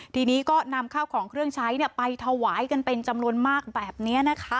ทีนี้ก็นำข้าวของเครื่องใช้ไปถวายกันเป็นจำนวนมากแบบนี้นะคะ